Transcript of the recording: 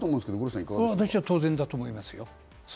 それは私は当然だと思いますよ。